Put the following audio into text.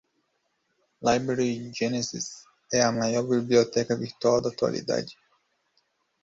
Library genesis é a maior biblioteca virtual da atualidade